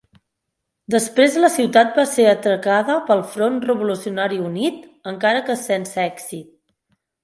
Després la ciutat va ser atacada pel Front Revolucionari Unit encara que sense èxit.